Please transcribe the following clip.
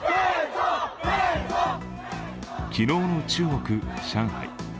昨日の中国・上海。